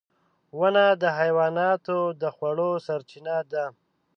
• ونه د حیواناتو د خوړو سرچینه ده.